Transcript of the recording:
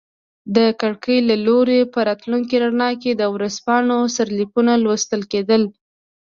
د کړکۍ له لوري په راتلونکي رڼا کې د ورځپاڼو سرلیکونه لوستل کیدل.